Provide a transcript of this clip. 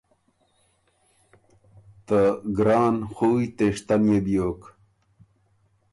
ته ګران خُویٛ تېشتن يې بیوک۔